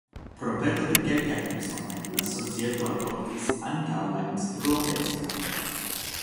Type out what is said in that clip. Pro peto de kelkaj personoj, la societo adoptis ankaŭ la instruon de Esperanto.